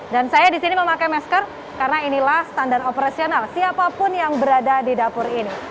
dan saya disini memakai masker karena inilah standar operasional siapapun yang berada di dapur ini